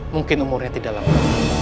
mungkin umurnya tidak lama